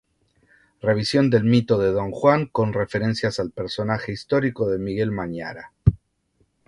Revisión del mito de Don Juan con referencias al personaje histórico de Miguel Mañara.